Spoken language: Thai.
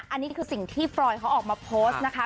อันนี้คือสิ่งที่ฟรอยเขาออกมาโพสต์นะคะ